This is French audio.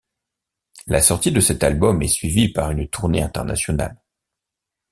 La sortie de cet album est suivie par une tournée internationale.